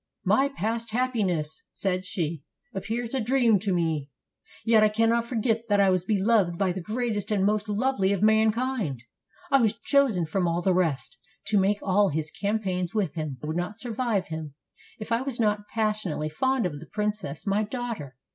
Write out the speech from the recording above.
"My past happiness," said she, "appears a dream to me. Yet I cannot forget that I was beloved by the greatest and most lovely of mankind. I was chosen from all the rest, to make all his campaigns with him; I would not survive him, if I was not passionately fond of the princess my daughter.